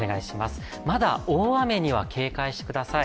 まだ、大雨には警戒してください。